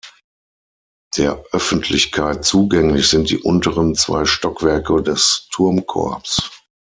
Der Öffentlichkeit zugänglich sind die unteren zwei Stockwerke des Turmkorbs.